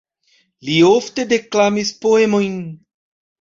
Li ofte deklamis poemojn.